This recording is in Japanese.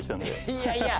いやいや！